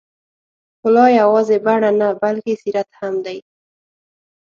ښکلا یوازې بڼه نه، بلکې سیرت هم دی.